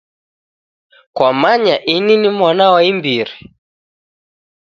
Kwamanya ini ni mwana wa imbiri.